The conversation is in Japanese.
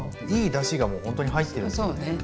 いいだしがもうほんとに入ってるんですよね。